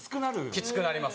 きつくなりますね。